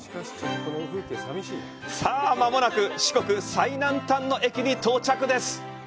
さあ、間もなく四国最南端の駅に到着です！